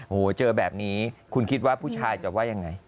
โอ้โหเจอแบบนี้คุณคิดว่าผู้ชายจะว่ายังไง